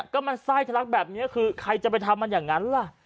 ก็มันไส้ทะลักแบบนี้คือใครจะไปทำมันอย่างนั้นล่ะ